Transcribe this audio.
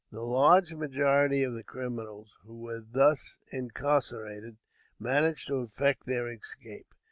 The large majority of the criminals who were thus incarcerated, managed to effect their escape.